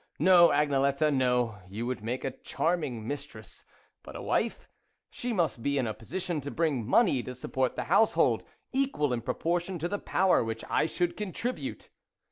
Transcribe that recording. No, Agnelette, no ! You would make a charming mistress ; but, a wife she must be in a position to bring money to support the household, equal in proportion to the power which I should contribute."